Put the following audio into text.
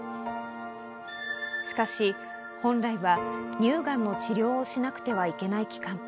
しかし本来は乳がんの治療をしなくてはいけない期間。